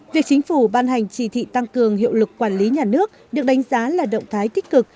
việc chính phủ ban hành chỉ thị tăng cường hiệu lực quản lý nhà nước được đánh giá là động thái tích cực